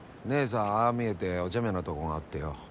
姐さんああ見えておちゃめなとこがあってよ。